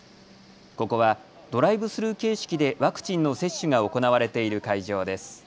ここはドライブスルー形式でワクチンの接種が行われている会場です。